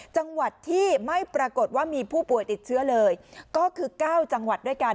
จังหวัดที่ไม่ปรากฏว่ามีผู้ป่วยติดเชื้อเลยก็คือ๙จังหวัดด้วยกัน